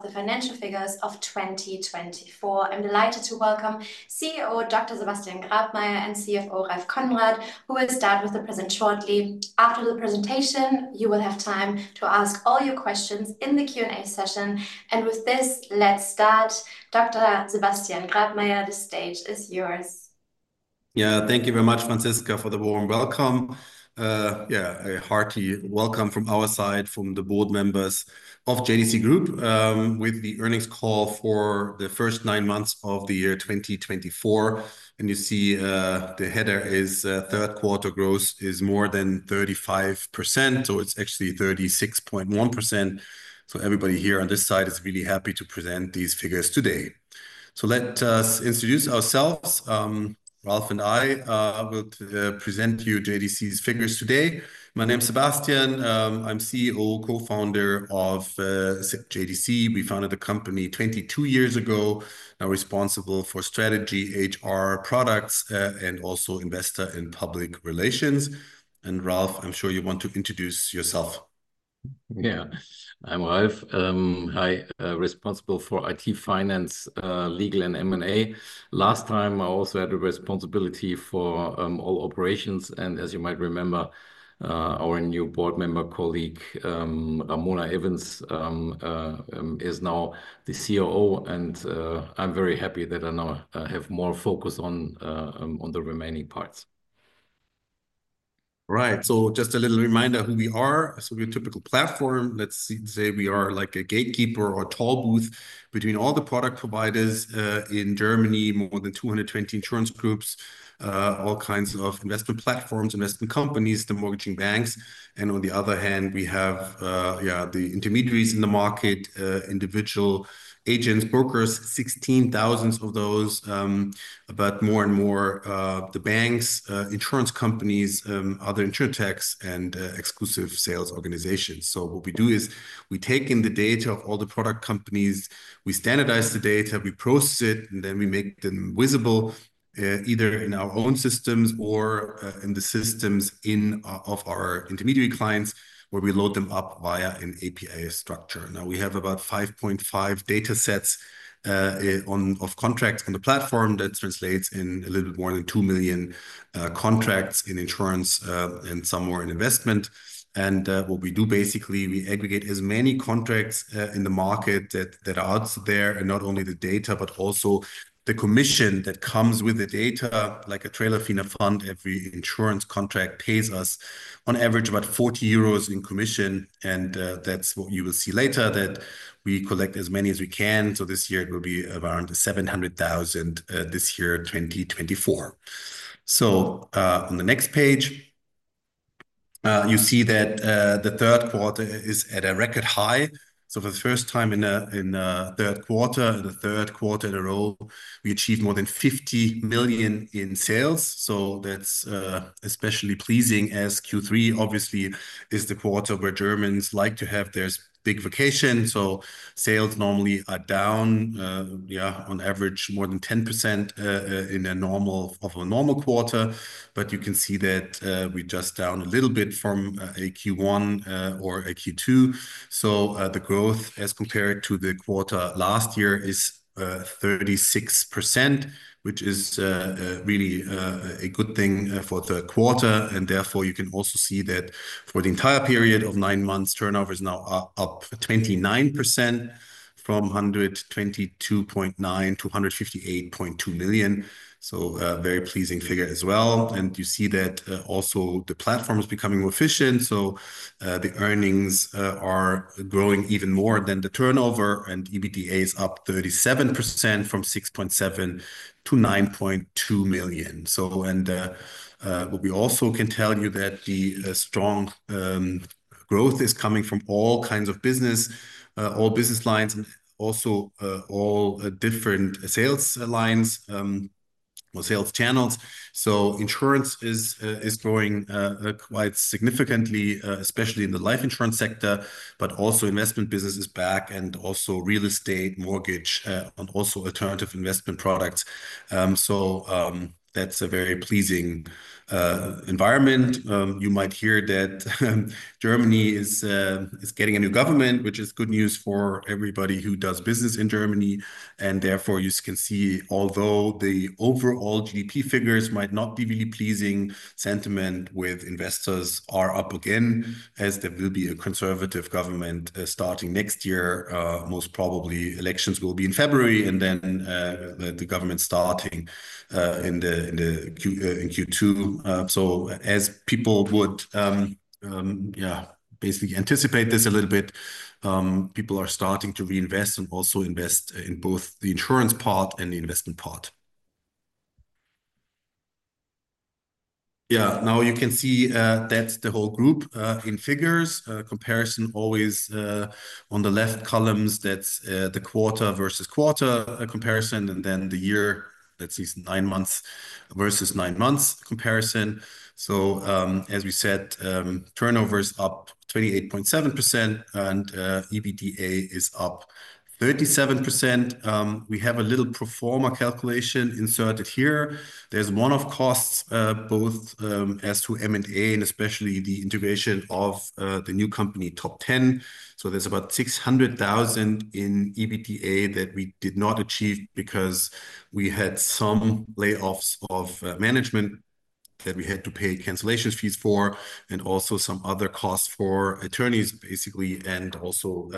The financial figures of 2024. I'm delighted to welcome CEO Dr. Sebastian Grabmaier and CFO Ralph Konrad, who will start with the present shortly. After the presentation, you will have time to ask all your questions in the Q&A session. And with this, let's start. Dr. Sebastian Grabmaier, the stage is yours. Yeah, thank you very much, Franziska, for the warm welcome. Yeah, a hearty welcome from our side, from the board members of JDC Group, with the earnings call for the first nine months of the year 2024. And you see the header is third quarter growth is more than 35%. So it's actually 36.1%. So everybody here on this side is really happy to present these figures today. So let us introduce ourselves. Ralph and I will present you JDC's figures today. My name is Sebastian. I'm CEO, co-founder of JDC. We founded the company 22 years ago, now responsible for strategy, HR products, and also investor in public relations. And Ralph, I'm sure you want to introduce yourself. Yeah, I'm Ralph. I'm responsible for IT, finance, legal, and M&A. Last time, I also had a responsibility for all operations and as you might remember, our new board member colleague, Ramona Evens, is now the COO and I'm very happy that I now have more focus on the remaining parts. Right. So just a little reminder who we are. So we're a typical platform. Let's say we are like a gatekeeper or a tall booth between all the product providers in Germany, more than 220 insurance groups, all kinds of investment platforms, investment companies, the mortgaging banks. And on the other hand, we have, yeah, the intermediaries in the market, individual agents, brokers, 16,000 of those, but more and more the banks, insurance companies, other insurtechs, and exclusive sales organizations. So what we do is we take in the data of all the product companies, we standardize the data, we process it, and then we make them visible either in our own systems or in the systems of our intermediary clients, where we load them up via an API structure. Now we have about 5.5 data sets of contracts on the platform that translates in a little more than 2 million contracts in insurance and some more in investment. And what we do basically, we aggregate as many contracts in the market that are out there and not only the data, but also the commission that comes with the data. Like a trailer fee in a fund, every insurance contract pays us on average about €40 in commission. And that's what you will see later, that we collect as many as we can. So this year it will be around €700,000 this year, 2024. So on the next page, you see that the third quarter is at a record high. So for the first time in a third quarter, the third quarter in a row, we achieved more than €50 million in sales. So that's especially pleasing as Q3 obviously is the quarter where Germans like to have their big vacation. So sales normally are down, yeah, on average more than 10% in a normal quarter. But you can see that we just down a little bit from a Q1 or a Q2. So the growth as compared to the quarter last year is 36%, which is really a good thing for the quarter. And therefore you can also see that for the entire period of nine months, turnover is now up 29% from 122.9 million to 158.2 million. So a very pleasing figure as well. And you see that also the platform is becoming more efficient. So the earnings are growing even more than the turnover. And EBITDA is up 37% from 6.7 million to 9.2 million. So, and what we also can tell you that the strong growth is coming from all kinds of business, all business lines, and also all different sales lines or sales channels. So insurance is growing quite significantly, especially in the life insurance sector, but also investment business is back and also real estate, mortgage, and also alternative investment products. So that's a very pleasing environment. You might hear that Germany is getting a new government, which is good news for everybody who does business in Germany. And therefore you can see, although the overall GDP figures might not be really pleasing, sentiment with investors are up again as there will be a conservative government starting next year. Most probably elections will be in February and then the government starting in the Q2. As people would, yeah, basically anticipate this a little bit, people are starting to reinvest and also invest in both the insurance part and the investment part. Yeah, now you can see that's the whole group in figures. Comparison always on the left columns, that's the quarter versus quarter comparison. Then the year, let's see, nine months versus nine months comparison. So as we said, turnover is up 28.7% and EBITDA is up 37%. We have a little performer calculation inserted here. There's one-off costs both as to M&A and especially the integration of the new company Top Ten. So there's about €600,000 in EBITDA that we did not achieve because we had some layoffs of management that we had to pay cancellation fees for and also some other costs for attorneys basically and also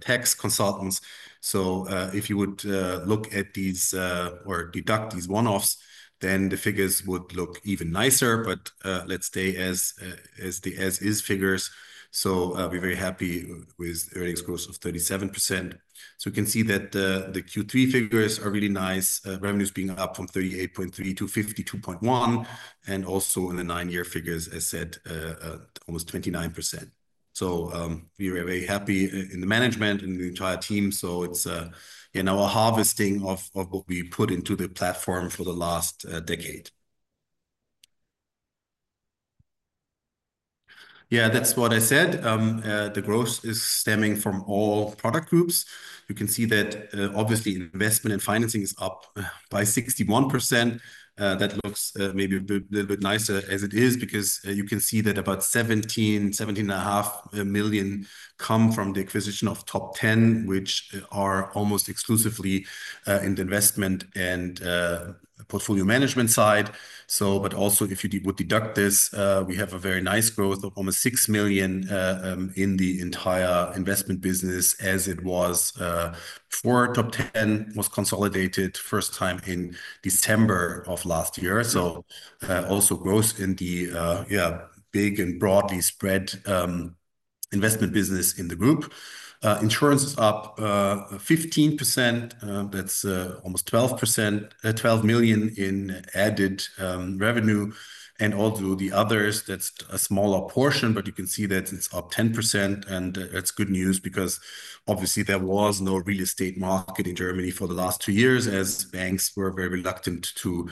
tax consultants. So if you would look at these or deduct these one-offs, then the figures would look even nicer. But let's stay as the as-is figures. So we're very happy with earnings growth of 37%. So you can see that the Q3 figures are really nice. Revenues being up from 38.3 to 52.1, and also in the nine-month figures, as said, almost 29%. So we were very happy in the management and the entire team. So it's now a harvesting of what we put into the platform for the last decade. Yeah, that's what I said. The growth is stemming from all product groups. You can see that obviously investment and financing is up by 61%. That looks maybe a little bit nicer as it is because you can see that about 17-17.5 million come from the acquisition of Top Ten, which are almost exclusively in the investment and portfolio management side. So but also if you would deduct this, we have a very nice growth of almost 6 million in the entire investment business as it was for Top Ten was consolidated first time in December of last year. So also growth in the, yeah, big and broadly spread investment business in the group. Insurance is up 15%. That's almost 12%, 12 million in added revenue. And also the others, that's a smaller portion, but you can see that it's up 10%. That's good news because obviously there was no real estate market in Germany for the last two years as banks were very reluctant to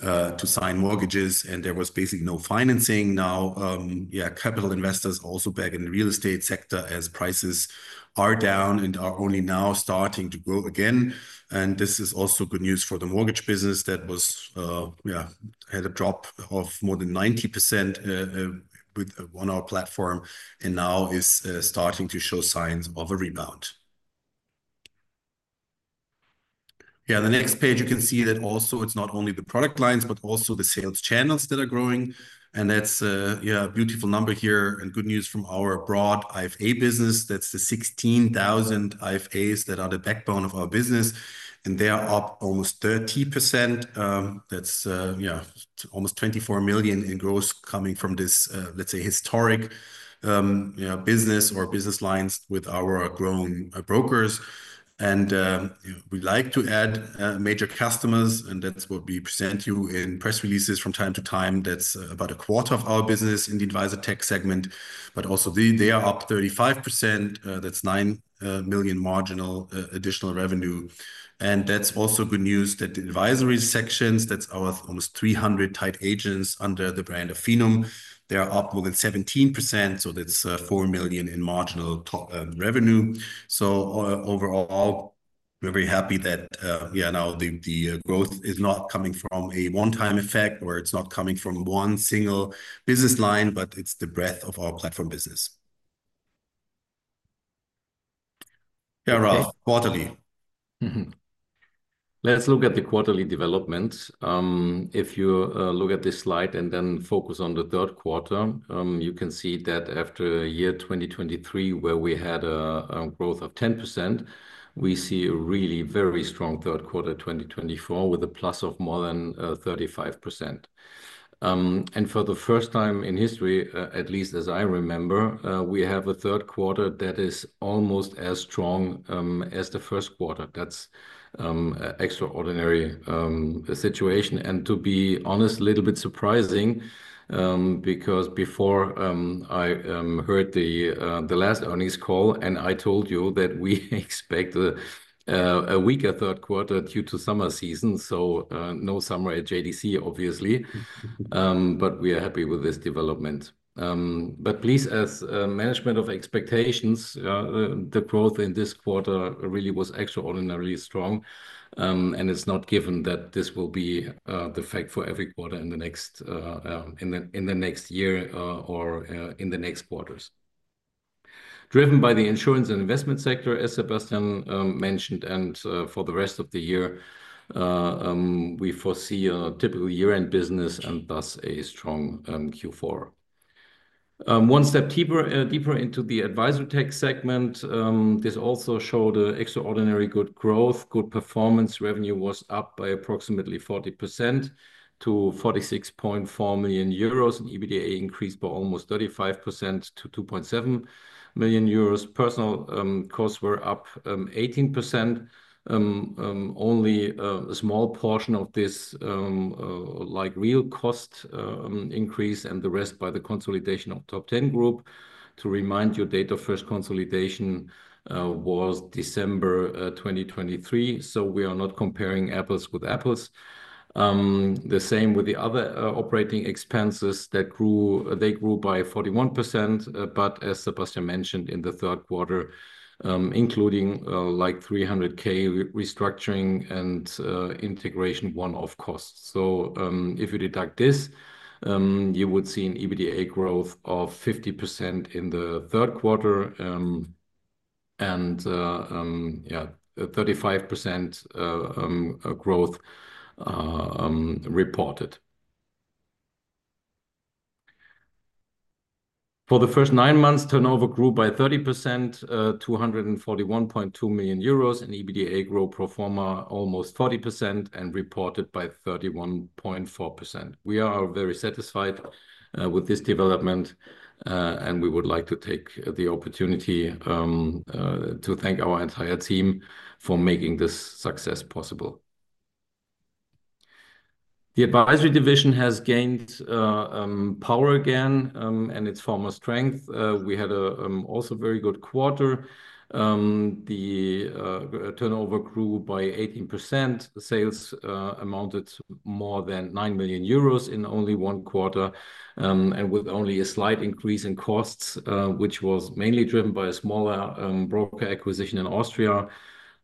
sign mortgages and there was basically no financing. Now, yeah, capital investors also back in the real estate sector as prices are down and are only now starting to grow again. This is also good news for the mortgage business that was, yeah, had a drop of more than 90% with our platform and now is starting to show signs of a rebound. Yeah, the next page, you can see that also it's not only the product lines, but also the sales channels that are growing. That's, yeah, a beautiful number here and good news from our broad IFA business. That's the 16,000 IFAs that are the backbone of our business and they are up almost 30%. That's, yeah, almost €24 million in growth coming from this, let's say, historic business or business lines with our grown brokers. We like to add major customers and that's what we present you in press releases from time to time. That's about a quarter of our business in the advisor tech segment, but also they are up 35%. That's €9 million marginal additional revenue. That's also good news that the advisory sections, that's our almost 300 tied agents under the brand of Phenom, they are up more than 17%. That's €4 million in marginal revenue. Overall, we're very happy that, yeah, now the growth is not coming from a one-time effect or it's not coming from one single business line, but it's the breadth of our platform business. Yeah, Ralph, quarterly. Let's look at the quarterly development. If you look at this slide and then focus on the third quarter, you can see that after year 2023, where we had a growth of 10%, we see a really very strong third quarter 2024 with a plus of more than 35%. And for the first time in history, at least as I remember, we have a third quarter that is almost as strong as the first quarter. That's an extraordinary situation. And to be honest, a little bit surprising because before I heard the last earnings call and I told you that we expect a weaker third quarter due to summer season. So no summer at JDC, obviously. But we are happy with this development. But please, as management of expectations, the growth in this quarter really was extraordinarily strong. It's not given that this will be the fact for every quarter in the next year or in the next quarters. Driven by the insurance and investment sector, as Sebastian mentioned, and for the rest of the year, we foresee a typical year-end business and thus a strong Q4. One step deeper into the Advisortech segment, this also showed an extraordinary good growth. Good performance, revenue was up by approximately 40% to 46.4 million euros. EBITDA increased by almost 35% to 2.7 million euros. Personnel costs were up 18%. Only a small portion of this like real cost increase and the rest by the consolidation of Top Ten Group. To remind you, date of first consolidation was December 2023. So we are not comparing apples with apples. The same with the other operating expenses that grew, they grew by 41%. But as Sebastian mentioned in the third quarter, including like 300K restructuring and integration one-off costs. So if you deduct this, you would see an EBITDA growth of 50% in the third quarter and yeah, 35% growth reported. For the first nine months, turnover grew by 30%, 241.2 million euros, and EBITDA grew pro forma almost 40% and reported by 31.4%. We are very satisfied with this development and we would like to take the opportunity to thank our entire team for making this success possible. The advisory division has gained power again and its former strength. We had also a very good quarter. The turnover grew by 18%. Sales amounted to more than 9 million euros in only one quarter and with only a slight increase in costs, which was mainly driven by a smaller broker acquisition in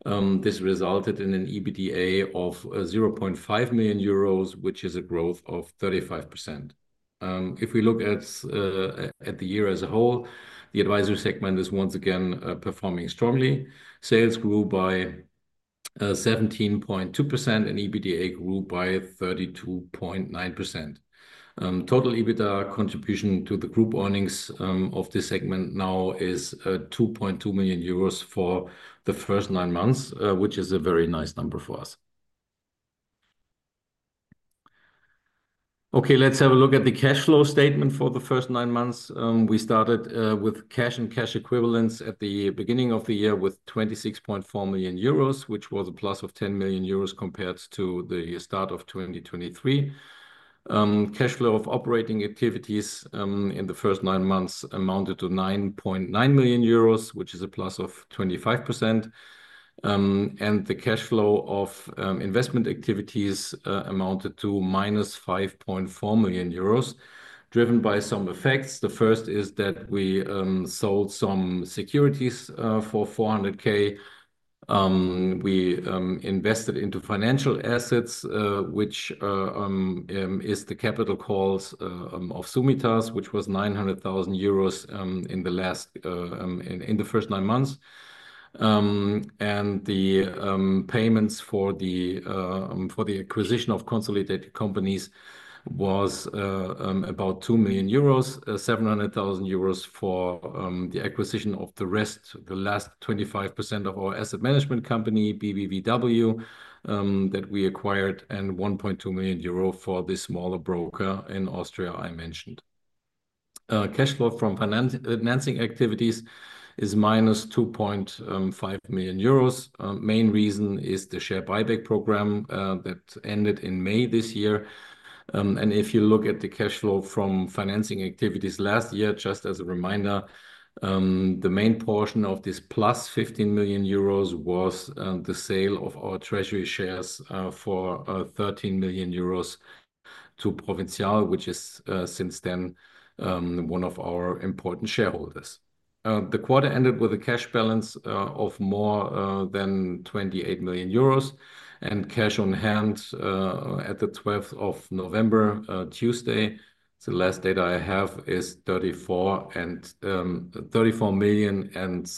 Austria. This resulted in an EBITDA of 0.5 million euros, which is a growth of 35%. If we look at the year as a whole, the advisory segment is once again performing strongly. Sales grew by 17.2% and EBITDA grew by 32.9%. Total EBITDA contribution to the group earnings of this segment now is 2.2 million euros for the first nine months, which is a very nice number for us. Okay, let's have a look at the cash flow statement for the first nine months. We started with cash and cash equivalents at the beginning of the year with 26.4 million euros, which was a plus of 10 million euros compared to the start of 2023. Cash flow of operating activities in the first nine months amounted to 9.9 million euros, which is a plus of 25%. And the cash flow of investment activities amounted to minus 5.4 million euros, driven by some effects. The first is that we sold some securities for 400K. We invested into financial assets, which is the capital calls of Summitas, which was 900,000 euros in the first nine months. And the payments for the acquisition of consolidated companies was about 2 million euros, 700,000 euros for the acquisition of the rest, the last 25% of our asset management company, BBVW, that we acquired, and 1.2 million euro for the smaller broker in Austria I mentioned. Cash flow from financing activities is minus 2.5 million euros. Main reason is the share buyback program that ended in May this year. And if you look at the cash flow from financing activities last year, just as a reminder, the main portion of this plus 15 million euros was the sale of our treasury shares for 13 million euros to Provinzial, which is since then one of our important shareholders. The quarter ended with a cash balance of more than 28 million euros and cash on hand at the 12th of November, Tuesday. The last data I have is 34.34 million and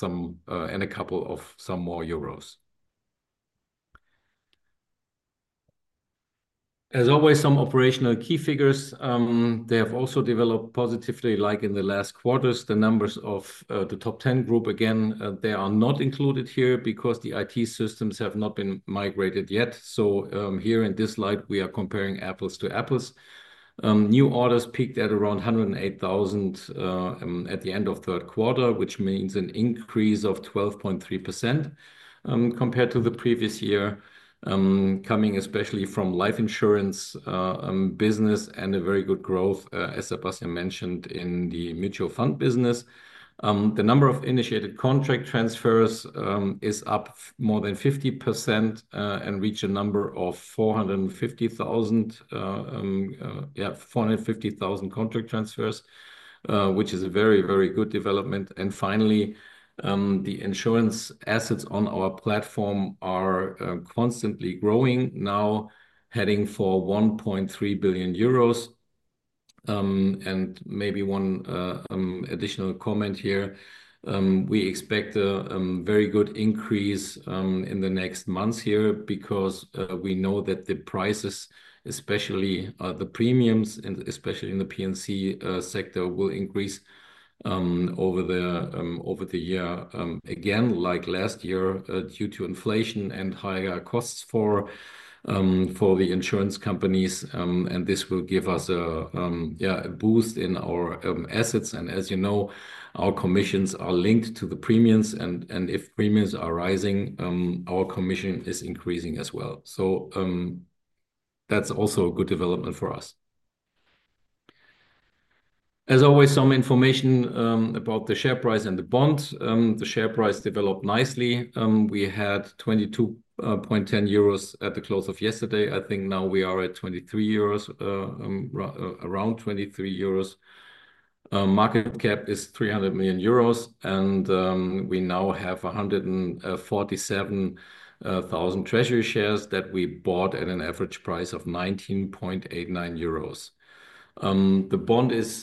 a couple of some more euros. As always, some operational key figures. They have also developed positively, like in the last quarters, the numbers of the Top Ten Group. Again, they are not included here because the IT systems have not been migrated yet. So here in this slide, we are comparing apples to apples. New orders peaked at around 108,000 at the end of third quarter, which means an increase of 12.3% compared to the previous year, coming especially from life insurance business and a very good growth, as Sebastian mentioned, in the mutual fund business. The number of initiated contract transfers is up more than 50% and reached a number of 450,000, yeah, 450,000 contract transfers, which is a very, very good development. And finally, the insurance assets on our platform are constantly growing now, heading for 1.3 billion euros. And maybe one additional comment here. We expect a very good increase in the next months here because we know that the prices, especially the premiums and especially in the PNC sector, will increase over the year again, like last year due to inflation and higher costs for the insurance companies. And this will give us a boost in our assets. As you know, our commissions are linked to the premiums. And if premiums are rising, our commission is increasing as well. So that's also a good development for us. As always, some information about the share price and the bonds. The share price developed nicely. We had 22.10 euros at the close of yesterday. I think now we are at 23 euros, around 23 euros. Market cap is 300 million euros. And we now have 147,000 treasury shares that we bought at an average price of 19.89 euros. The bond is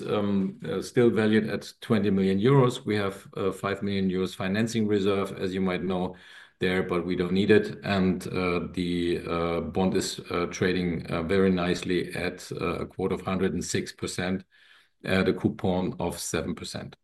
still valued at 20 million euros. We have 5 million euros financing reserve, as you might know there, but we don't need it. And the bond is trading very nicely at a quote of 106% at a coupon of 7%.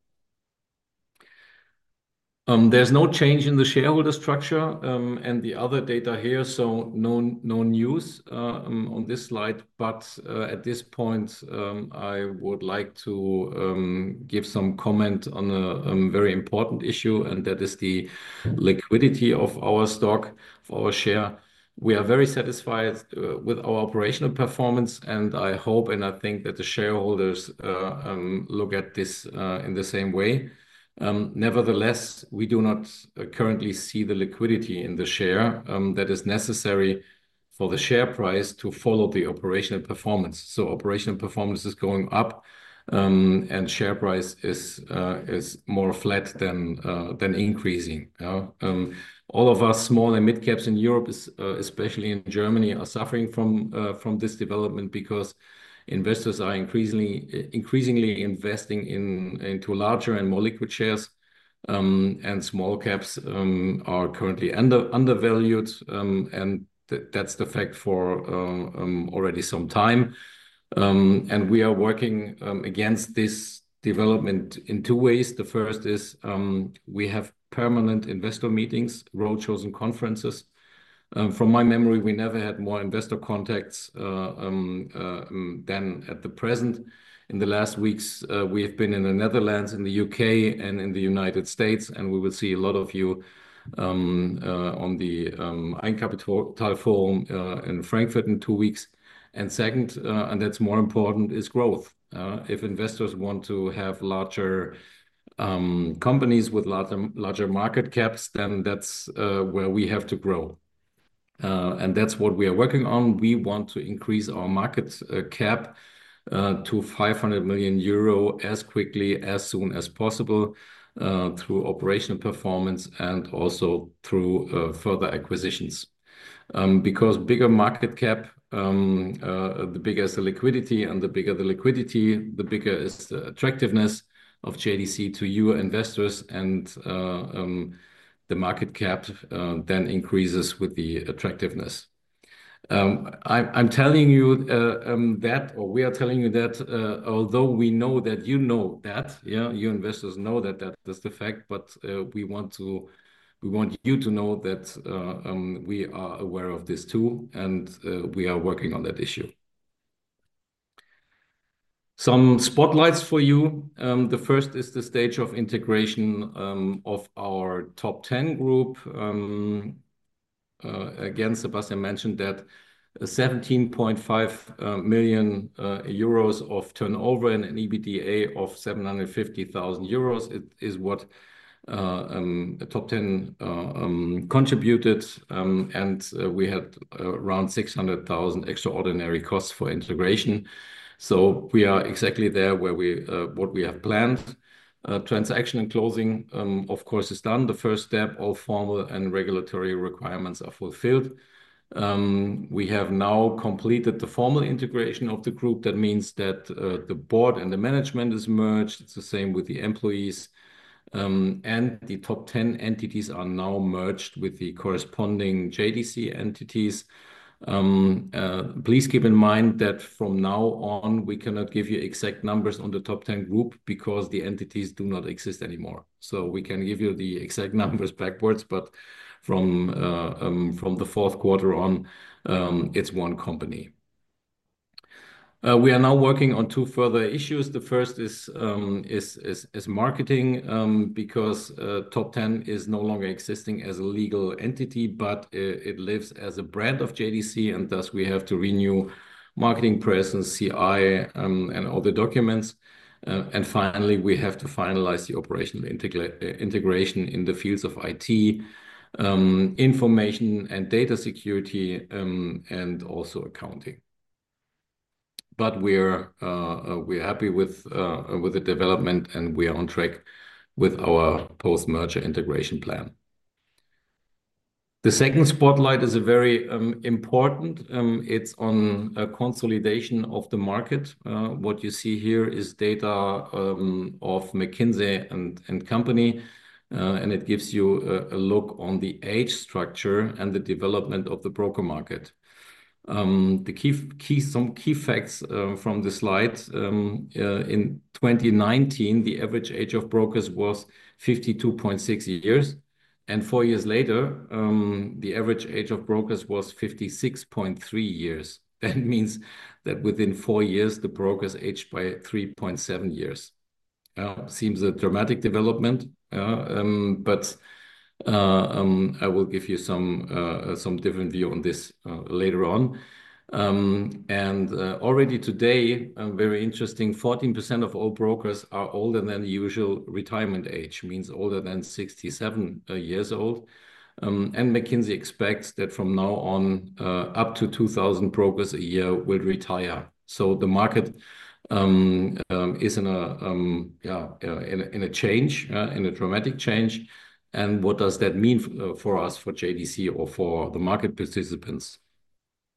There's no change in the shareholder structure and the other data here. So no news on this slide. But at this point, I would like to give some comment on a very important issue, and that is the liquidity of our stock, of our share. We are very satisfied with our operational performance, and I hope and I think that the shareholders look at this in the same way. Nevertheless, we do not currently see the liquidity in the share that is necessary for the share price to follow the operational performance. So operational performance is going up and share price is more flat than increasing. All of us small and mid-caps in Europe, especially in Germany, are suffering from this development because investors are increasingly investing into larger and more liquid shares. And small caps are currently undervalued, and that's the fact for already some time. And we are working against this development in two ways. The first is we have permanent investor meetings, roadshows and conferences. From my memory, we never had more investor contacts than at the present. In the last weeks, we have been in the Netherlands, in the U.K., and in the United States. We will see a lot of you on the Eigenkapitalforum in Frankfurt in two weeks. Second, and that's more important, is growth. If investors want to have larger companies with larger market caps, then that's where we have to grow. That's what we are working on. We want to increase our market cap to 500 million euro as quickly as possible through operational performance and also through further acquisitions. Because bigger market cap, the bigger is the liquidity, and the bigger the liquidity, the bigger is the attractiveness of JDC to your investors. The market cap then increases with the attractiveness. I'm telling you that, or we are telling you that, although we know that you know that, yeah, you investors know that that is the fact. But we want you to know that we are aware of this too, and we are working on that issue. Some spotlights for you. The first is the stage of integration of our Top Ten Group. Again, Sebastian mentioned that 17.5 million euros of turnover and an EBITDA of 750,000 euros is what Top Ten contributed. And we had around 600,000 EUR extraordinary costs for integration. So we are exactly there where we have planned. Transaction and closing, of course, is done. The first step, all formal and regulatory requirements are fulfilled. We have now completed the formal integration of the group. That means that the board and the management is merged. It's the same with the employees. The Top Ten entities are now merged with the corresponding JDC entities. Please keep in mind that from now on, we cannot give you exact numbers on the Top Ten Group because the entities do not exist anymore. So we can give you the exact numbers backwards, but from the fourth quarter on, it's one company. We are now working on two further issues. The first is marketing because Top Ten is no longer existing as a legal entity, but it lives as a brand of JDC, and thus we have to renew marketing presence, CI, and all the documents, and finally we have to finalize the operational integration in the fields of IT, information and data security, and also accounting. But we're happy with the development, and we are on track with our post-merger integration plan. The second spotlight is very important. It's on consolidation of the market. What you see here is data of McKinsey & Company. And it gives you a look on the age structure and the development of the broker market. Some key facts from the slide. In 2019, the average age of brokers was 52.6 years. And four years later, the average age of brokers was 56.3 years. That means that within four years, the brokers aged by 3.7 years. Seems a dramatic development, but I will give you some different view on this later on. And already today, very interesting, 14% of all brokers are older than the usual retirement age, means older than 67 years old. And McKinsey expects that from now on, up to 2,000 brokers a year will retire. So the market is in a change, in a dramatic change. And what does that mean for us, for JDC or for the market participants?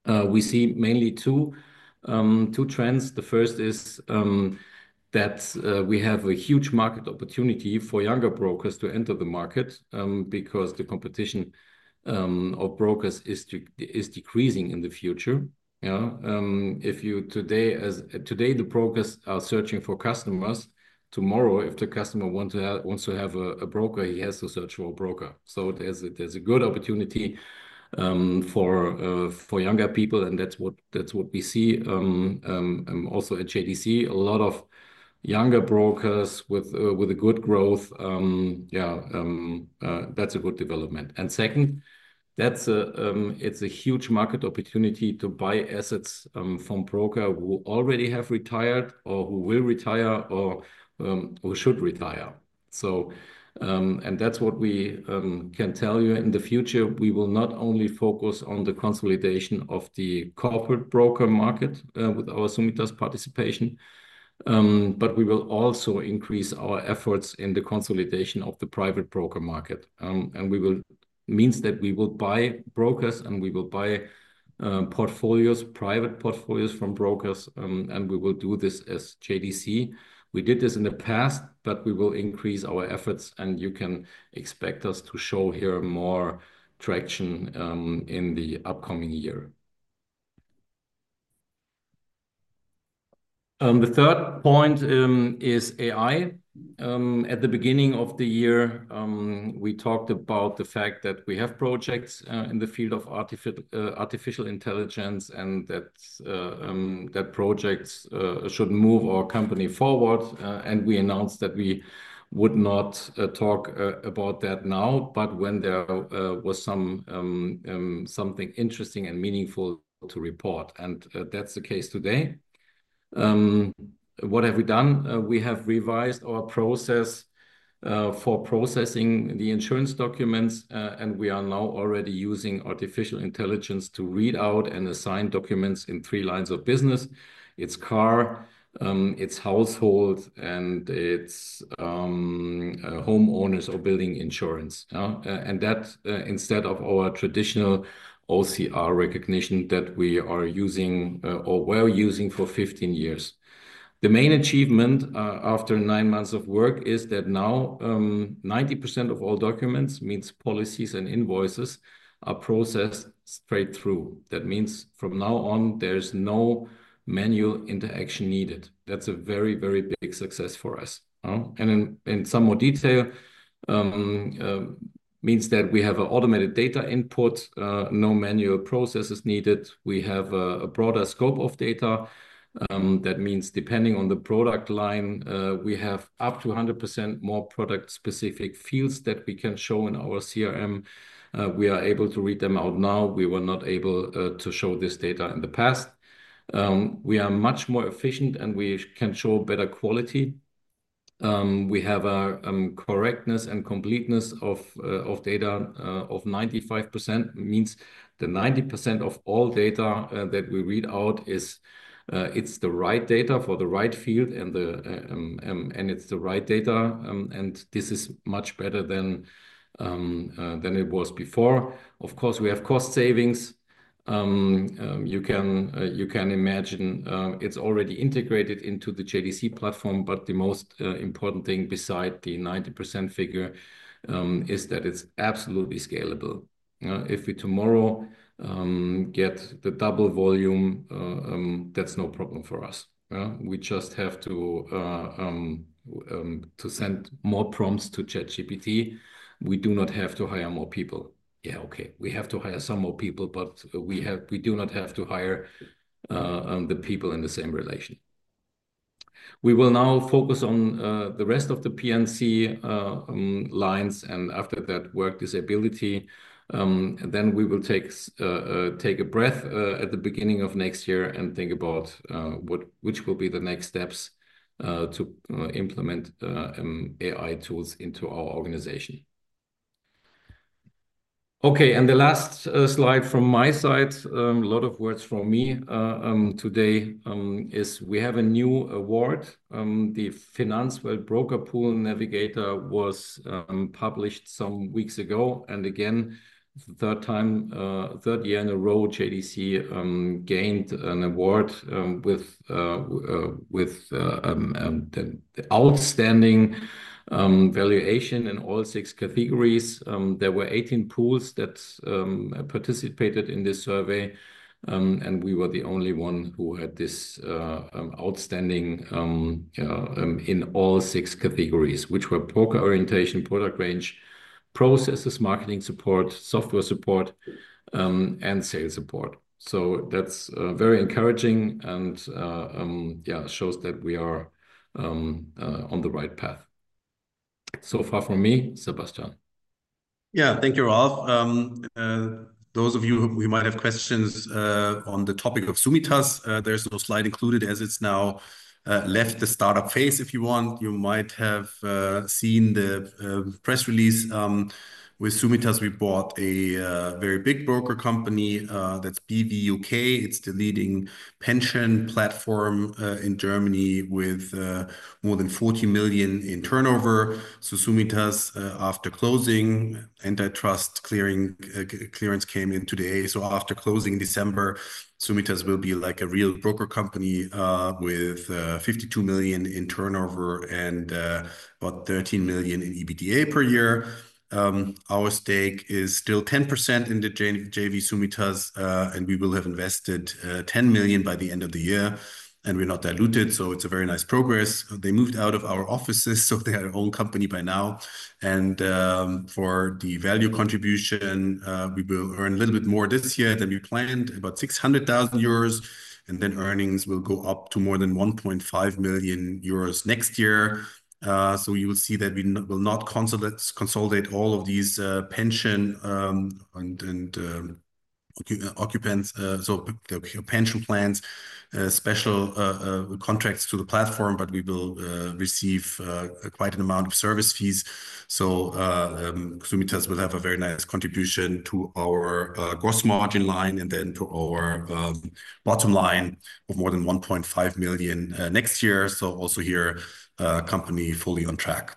We see mainly two trends. The first is that we have a huge market opportunity for younger brokers to enter the market because the competition of brokers is decreasing in the future. If you today, the brokers are searching for customers; tomorrow, if the customer wants to have a broker, he has to search for a broker. So there's a good opportunity for younger people, and that's what we see. Also at JDC, a lot of younger brokers with a good growth. Yeah, that's a good development. And second, it's a huge market opportunity to buy assets from brokers who already have retired or who will retire or who should retire. And that's what we can tell you in the future. We will not only focus on the consolidation of the corporate broker market with our Summitas participation, but we will also increase our efforts in the consolidation of the private broker market. And we will mean that we will buy brokers and we will buy portfolios, private portfolios from brokers, and we will do this as JDC. We did this in the past, but we will increase our efforts, and you can expect us to show here more traction in the upcoming year. The third point is AI. At the beginning of the year, we talked about the fact that we have projects in the field of artificial intelligence and that projects should move our company forward. And we announced that we would not talk about that now, but when there was something interesting and meaningful to report. And that's the case today. What have we done? We have revised our process for processing the insurance documents, and we are now already using artificial intelligence to read out and assign documents in three lines of business. It's car, it's household, and it's homeowners or building insurance. And that instead of our traditional OCR recognition that we are using or were using for 15 years. The main achievement after nine months of work is that now 90% of all documents, means policies and invoices, are processed straight through. That means from now on, there's no manual interaction needed. That's a very, very big success for us. And in some more detail, means that we have an automated data input, no manual processes needed. We have a broader scope of data. That means depending on the product line, we have up to 100% more product-specific fields that we can show in our CRM. We are able to read them out now. We were not able to show this data in the past. We are much more efficient, and we can show better quality. We have a correctness and completeness of data of 95%, means the 90% of all data that we read out, it's the right data for the right field, and it's the right data. And this is much better than it was before. Of course, we have cost savings. You can imagine it's already integrated into the JDC platform, but the most important thing beside the 90% figure is that it's absolutely scalable. If we tomorrow get the double volume, that's no problem for us. We just have to send more prompts to ChatGPT. We do not have to hire more people. Yeah, okay. We have to hire some more people, but we do not have to hire the people in the same relation. We will now focus on the rest of the P&C lines, and after that, work disability. Then we will take a breath at the beginning of next year and think about which will be the next steps to implement AI tools into our organization. Okay, and the last slide from my side, a lot of words from me today is we have a new award. The Finanzwelt Broker Pool Navigator was published some weeks ago. And again, third time third year in a row, JDC gained an award with the outstanding valuation in all six categories. There were 18 pools that participated in this survey, and we were the only one who had this outstanding in all six categories, which were broker orientation, product range, processes, marketing support, software support, and sales support. So that's very encouraging and shows that we are on the right path. So far from me, Sebastian. Yeah, thank you, Ralph. Those of you who might have questions on the topic of Summitas, there's no slide included as it's now left the startup phase. If you want, you might have seen the press release with Summitas. We bought a very big broker company. That's BVUK. It's the leading pension platform in Germany with more than 40 million in turnover. So Summitas, after closing, antitrust clearance came into the air. So after closing in December, Summitas will be like a real broker company with 52 million in turnover and about 13 million in EBITDA per year. Our stake is still 10% in the JV Summitas, and we will have invested 10 million by the end of the year, and we're not diluted. So it's a very nice progress. They moved out of our offices, so they had their own company by now. For the value contribution, we will earn a little bit more this year than we planned, about 600,000 euros. Then earnings will go up to more than 1.5 million euros next year. You will see that we will not consolidate all of these pension occupants, so pension plans, special contracts to the platform, but we will receive quite an amount of service fees. Summitas will have a very nice contribution to our gross margin line and then to our bottom line of more than 1.5 million next year. Also here, company fully on track.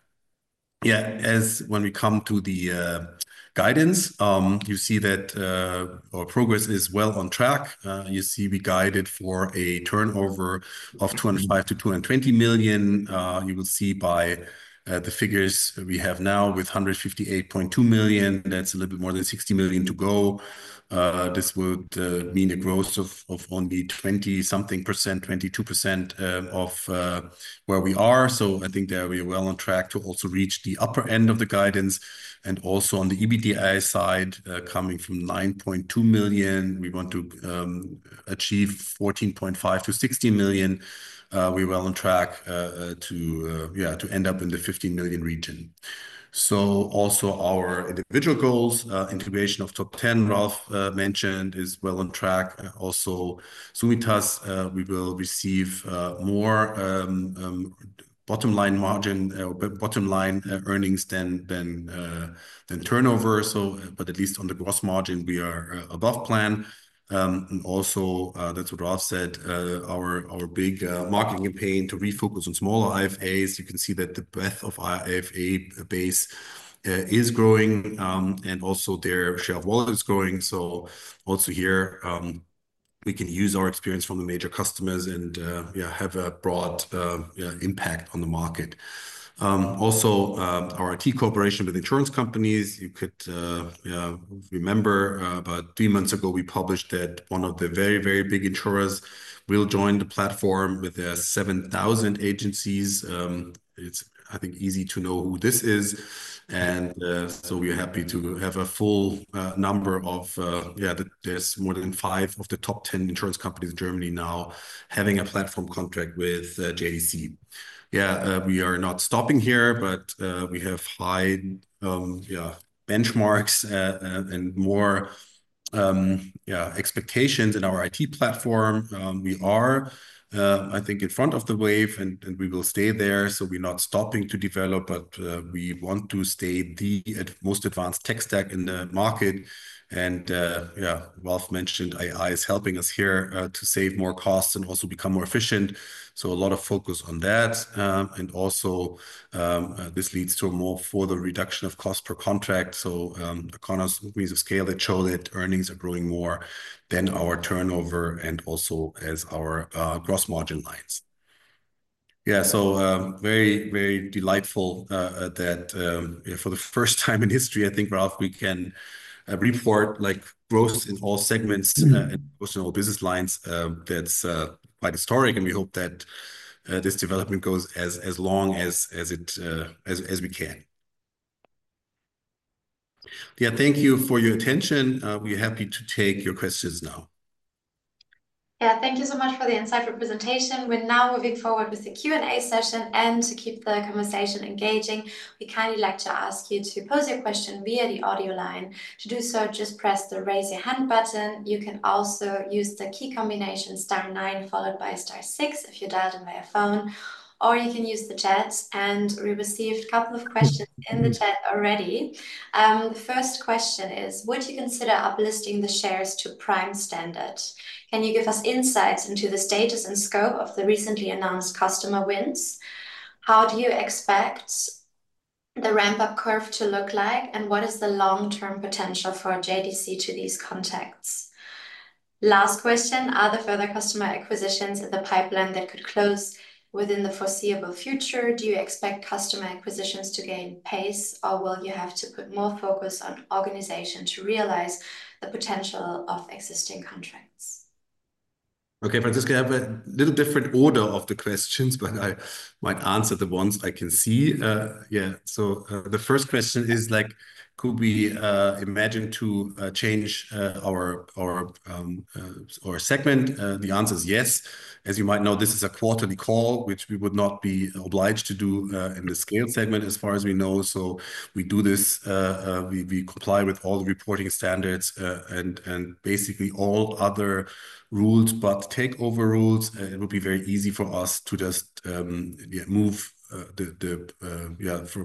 Yeah, as when we come to the guidance, you see that our progress is well on track. You see we guided for a turnover of 205 million-220 million. You will see by the figures we have now with 158.2 million, that's a little bit more than 60 million to go. This would mean a growth of only 20-something %, 22% of where we are. So I think that we are well on track to also reach the upper end of the guidance. And also on the EBITDA side, coming from €9.2 million, we want to achieve €14.5-€16 million. We're well on track to end up in the €15 million region. So also our individual goals, integration of Top Ten, Ralph mentioned, is well on track. Also Summitas, we will receive more bottom line margin, bottom line earnings than turnover. But at least on the gross margin, we are above plan. And also that's what Ralph said, our big marketing campaign to refocus on smaller IFAs. You can see that the breadth of our IFA base is growing and also their share of wallet is growing. So also here, we can use our experience from the major customers and have a broad impact on the market. Also our IT cooperation with insurance companies. You could remember about three months ago, we published that one of the very, very big insurers will join the platform with their 7,000 agencies. It's, I think, easy to know who this is. And so we're happy to have a full number of, yeah, there's more than five of the top 10 insurance companies in Germany now having a platform contract with JDC. Yeah, we are not stopping here, but we have high benchmarks and more expectations in our IT platform. We are, I think, in front of the wave, and we will stay there. So we're not stopping to develop, but we want to stay the most advanced tech stock in the market. Yeah, Ralph mentioned AI is helping us here to save more costs and also become more efficient. A lot of focus on that. Also this leads to a more further reduction of cost per contract. Economies of scale that show that earnings are growing more than our turnover and also as our gross margin lines. Yeah, so very, very delightful that for the first time in history, I think, Ralph, we can report growth in all segments and personal business lines. That's quite historic, and we hope that this development goes as long as we can. Yeah, thank you for your attention. We're happy to take your questions now. Yeah, thank you so much for the insightful presentation. We're now moving forward with the Q&A session. To keep the conversation engaging, we kindly like to ask you to pose your question via the audio line. To do so, just press the raise your hand button. You can also use the key combination star nine followed by star six if you dialed in via phone. Or you can use the chat and we received a couple of questions in the chat already. The first question is, would you consider uplifting the shares to Prime Standard? Can you give us insights into the status and scope of the recently announced customer wins? How do you expect the ramp-up curve to look like? And what is the long-term potential for JDC to these contacts? Last question, are there further customer acquisitions in the pipeline that could close within the foreseeable future? Do you expect customer acquisitions to gain pace, or will you have to put more focus on organization to realize the potential of existing contracts? Okay, Franziska, I have a little different order of the questions, but I might answer the ones I can see. Yeah, so the first question is, could we imagine to change our segment? The answer is yes. As you might know, this is a quarterly call, which we would not be obliged to do in the Scale segment as far as we know. So we do this. We comply with all the reporting standards and basically all other rules, but takeover rules. It would be very easy for us to just move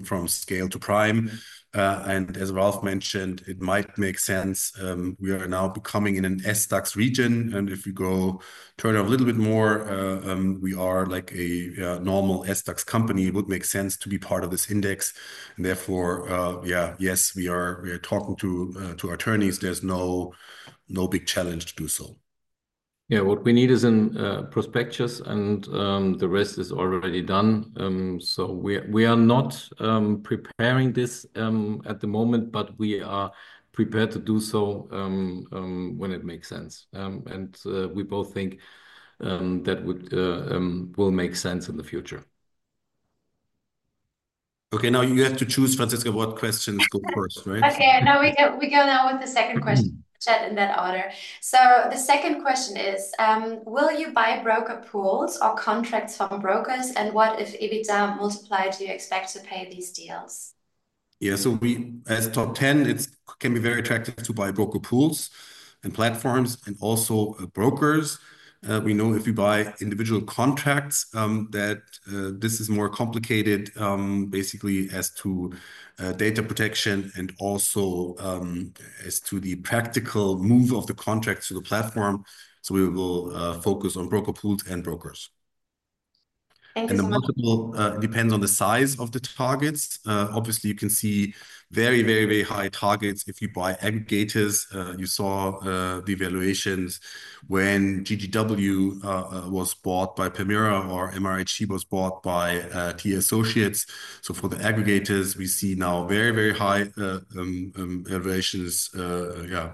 from Scale to Prime. And as Ralph mentioned, it might make sense. We are now becoming in an SDAX region. And if we grow a little bit more, we are like a normal SDAX company. It would make sense to be part of this index. And therefore, yeah, yes, we are talking to our attorneys. There's no big challenge to do so. Yeah, what we need is in prospectus, and the rest is already done. So we are not preparing this at the moment, but we are prepared to do so when it makes sense. And we both think that will make sense in the future. Okay, now you have to choose, Franziska, what questions go first, right? Okay, we go now with the second question in that order. So the second question is, will you buy broker pools or contracts from brokers? And what multiple of EBITDA do you expect to pay these deals? Yeah, so as Top Ten, it can be very attractive to buy broker pools and platforms and also brokers. We know if you buy individual contracts, that this is more complicated, basically as to data protection and also as to the practical move of the contract to the platform. We will focus on broker pools and brokers. The multiple depends on the size of the targets. Obviously, you can see very, very, very high multiples if you buy aggregators. You saw the valuations when GGW was bought by Permira or MRHC was bought by TA Associates. For the aggregators, we see now very, very high valuations, 20++.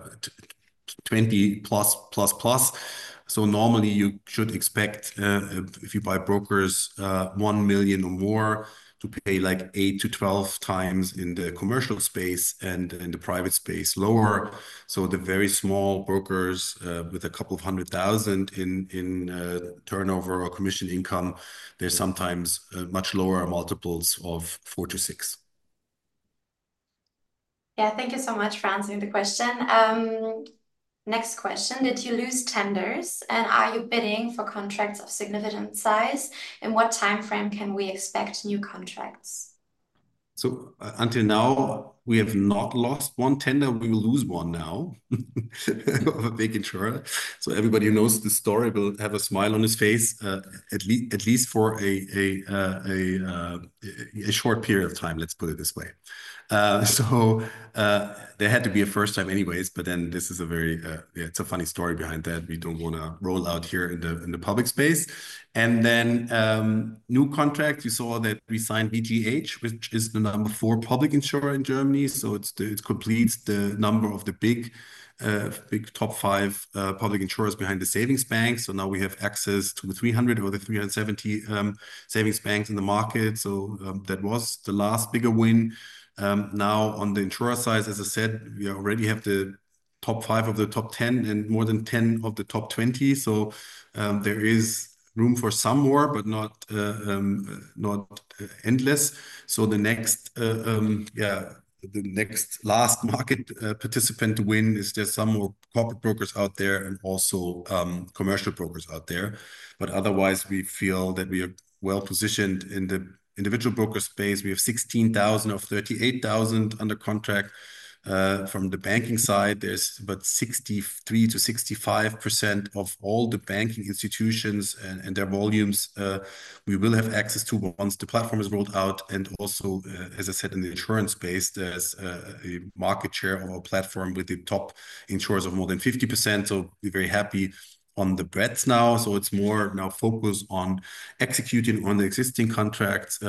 Normally, you should expect if you buy brokers, €1 million or more to pay like 8-12 times in the commercial space and in the private space lower. The very small brokers with a couple of hundred thousand in turnover or commission income, there are sometimes much lower multiples of 4-6. Yeah, thank you so much for answering the question. Next question, did you lose tenders? Are you bidding for contracts of significant size? What timeframe can we expect new contracts? So until now, we have not lost one tender. We will lose one now of a big insurer. So everybody who knows the story will have a smile on his face at least for a short period of time, let's put it this way. So there had to be a first time anyways, but then this is a very, it's a funny story behind that. We don't want to roll out here in the public space. And then new contract, you saw that we signed VGH, which is the number four public insurer in Germany. So it completes the number of the big top five public insurers behind the savings banks. So now we have access to the 300 or the 370 savings banks in the market. So that was the last bigger win. Now on the insurer side, as I said, we already have the top five of the top 10 and more than 10 of the top 20. So there is room for some more, but not endless. So the next, yeah, the next last market participant to win is there's some more corporate brokers out there and also commercial brokers out there. But otherwise, we feel that we are well positioned in the individual broker space. We have 16,000 of 38,000 under contract from the banking side. There's about 63%-65% of all the banking institutions and their volumes we will have access to once the platform is rolled out. And also, as I said, in the insurance space, there's a market share of our platform with the top insurers of more than 50%. So we're very happy on the breadth now. So it's more now focused on executing on the existing contracts,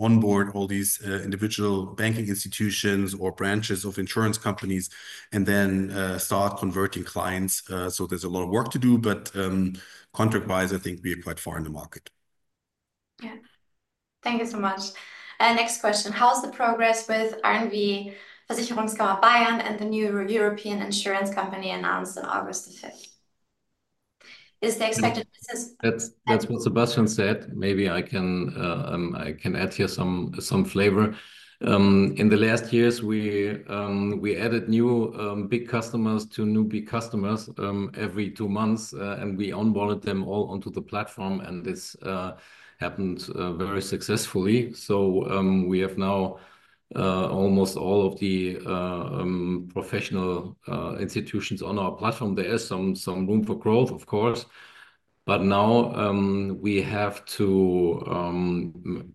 onboard all these individual banking institutions or branches of insurance companies, and then start converting clients. So there's a lot of work to do, but contract-wise, I think we are quite far in the market. Yeah, thank you so much. And next question, how's the progress with R+V Versicherungskammer Bayern and the new European insurance company announced on August the 5th? Is the expected business. That's what Sebastian said. Maybe I can add here some flavor. In the last years, we added new big customers to new big customers every two months, and we onboarded them all onto the platform, and this happened very successfully. So we have now almost all of the professional institutions on our platform. There is some room for growth, of course. But now we have to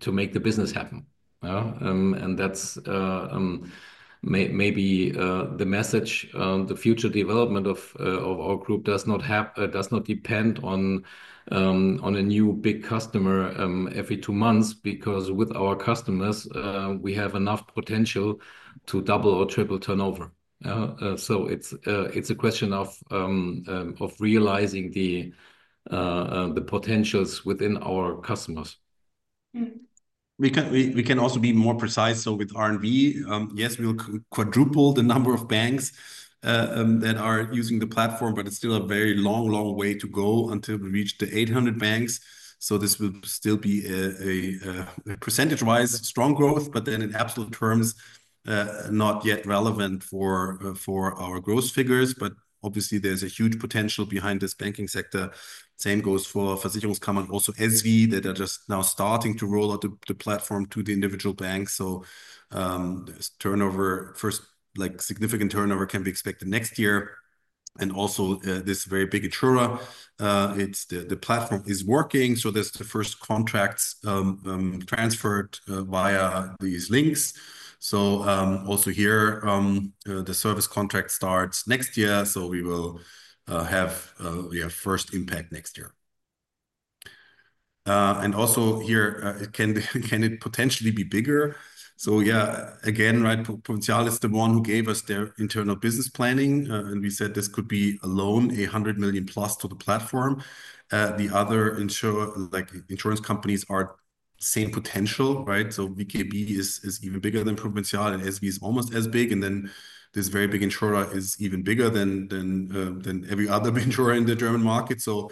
make the business happen. That's maybe the message. The future development of our group does not depend on a new big customer every two months because with our customers, we have enough potential to double or triple turnover. It's a question of realizing the potentials within our customers. We can also be more precise. With R+V, yes, we'll quadruple the number of banks that are using the platform, but it's still a very long, long way to go until we reach the 800 banks. This will still be a percentage-wise strong growth, but then in absolute terms, not yet relevant for our growth figures. Obviously, there's a huge potential behind this banking sector. Same goes for Versicherungskammer, also SV that are just now starting to roll out the platform to the individual banks. Significant turnover can be expected next year. And also this very big insurer, the platform is working. So there's the first contracts transferred via these links. So also here, the service contract starts next year. So we will have first impact next year. And also here, can it potentially be bigger? So yeah, again, right, Provinzial is the one who gave us their internal business planning. And we said this could be alone 100 million plus to the platform. The other insurance companies are same potential, right? So VKB is even bigger than Provinzial and SV is almost as big. And then this very big insurer is even bigger than every other insurer in the German market. So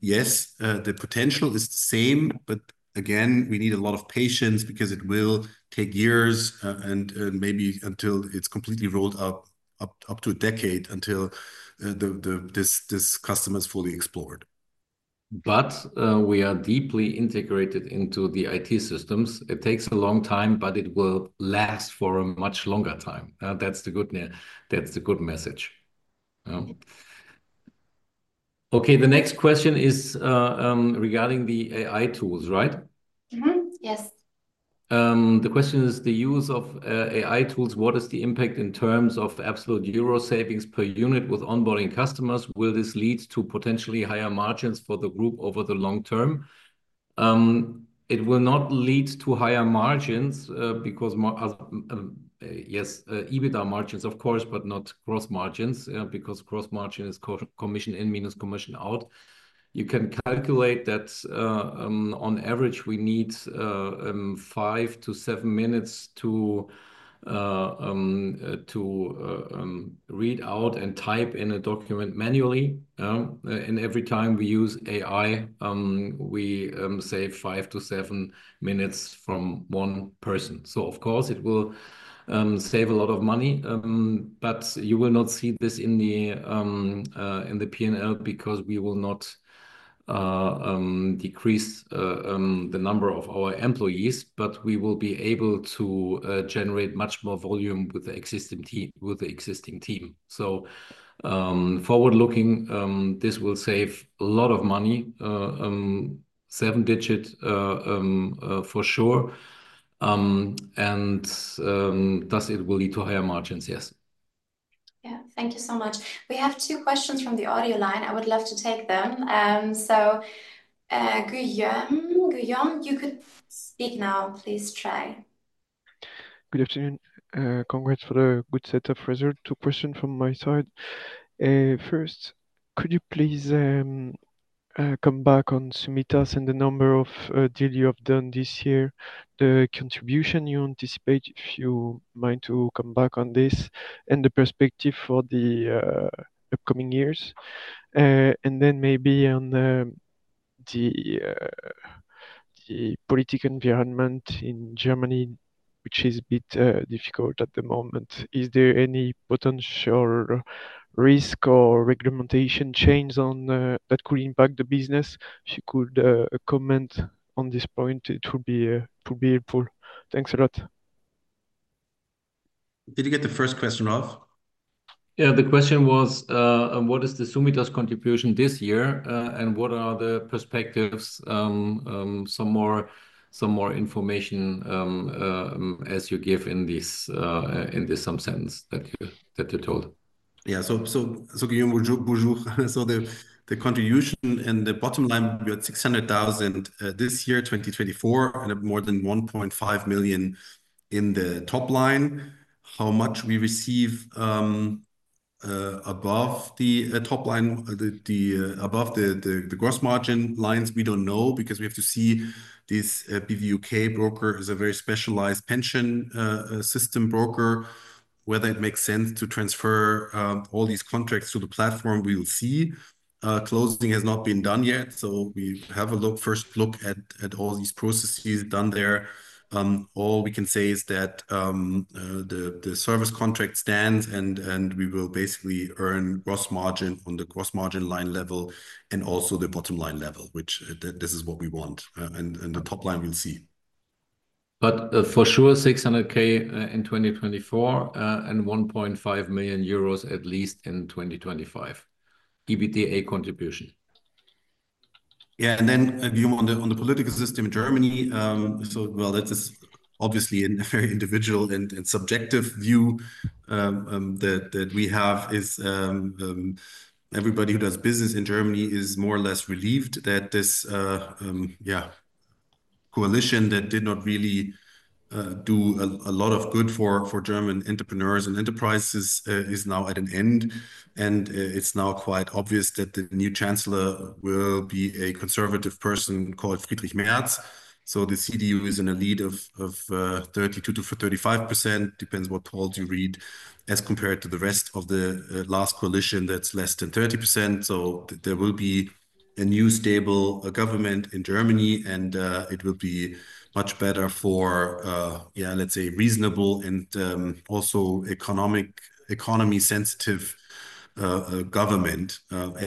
yes, the potential is the same, but again, we need a lot of patience because it will take years and maybe until it's completely rolled up to a decade until this customer is fully explored. But we are deeply integrated into the IT systems. It takes a long time, but it will last for a much longer time. That's the good message. Okay, the next question is regarding the AI tools, right? Yes. The question is the use of AI tools, what is the impact in terms of absolute EUR savings per unit with onboarding customers? Will this lead to potentially higher margins for the group over the long term? It will not lead to higher margins because, yes, EBITDA margins, of course, but not gross margins because gross margin is commission in minus commission out. You can calculate that on average, we need five-to-seven minutes to read out and type in a document manually. And every time we use AI, we save five-to-seven minutes from one person. So of course, it will save a lot of money. But you will not see this in the P&L because we will not decrease the number of our employees, but we will be able to generate much more volume with the existing team. So forward-looking, this will save a lot of money, seven-digit for sure. And thus, it will lead to higher margins, yes. Yeah, thank you so much. We have two questions from the audio line. I would love to take them. So Guillaume, you could speak now. Please try. Good afternoon. Congrats for a good setup, Franziska. Two questions from my side. First, could you please come back on Summitas and the number of deals you have done this year, the contribution you anticipate, if you mind to come back on this, and the perspective for the upcoming years? And then maybe on the political environment in Germany, which is a bit difficult at the moment. Is there any potential risk or regulation change that could impact the business? If you could comment on this point, it would be helpful. Thanks a lot. Did you get the first question off? Yeah, the question was, what is the Summitas contribution this year? And what are the perspectives? Some more information as you give in this some sense that you told. Yeah, so Guillaume, bonjour. So the contribution and the bottom line, we had 600,000 this year, 2024, and more than 1.5 million in the top line. How much we receive above the top line, above the gross margin lines, we don't know because we have to see this BVUK broker is a very specialized pension system broker. Whether it makes sense to transfer all these contracts to the platform, we will see. Closing has not been done yet. So we have a first look at all these processes done there. All we can say is that the service contract stands and we will basically earn gross margin on the gross margin line level and also the bottom line level, which this is what we want. And the top line, we'll see. But for sure, 600,000 in 2024 and at least EUR 1.5 million in 2025 EBITDA contribution. Yeah, and then on the political system in Germany, well, that is obviously a very individual and subjective view that we have is everybody who does business in Germany is more or less relieved that this, yeah, coalition that did not really do a lot of good for German entrepreneurs and enterprises is now at an end. And it's now quite obvious that the new chancellor will be a conservative person called Friedrich Merz. So the CDU is in a lead of 32%-35%, depends what polls you read, as compared to the rest of the last coalition that's less than 30%. So there will be a new stable government in Germany and it will be much better for, yeah, let's say, reasonable and also economy-sensitive government